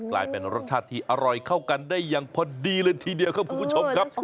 กลายเป็นรสชาติที่อร่อยเข้ากันได้อย่างพอดีเลยทีเดียวครับคุณผู้ชมครับ